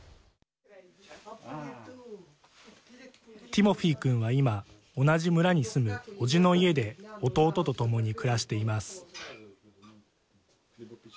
ティモフィ君は今同じ村に住む、おじの家で弟とともに暮らしています。